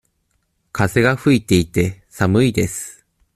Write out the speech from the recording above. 風が吹いていて、寒いです。